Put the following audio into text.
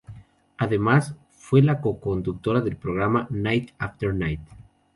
Además fue la co-conductora del programa "Night After Night".